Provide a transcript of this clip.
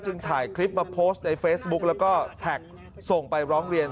ถ่ายคลิปมาโพสต์ในเฟซบุ๊กแล้วก็แท็กส่งไปร้องเรียน